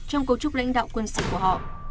trong cấu trúc lãnh đạo quân sự của họ